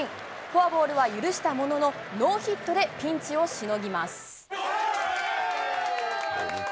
フォアボールは許したものの、ノーヒットでピンチをしのぎます。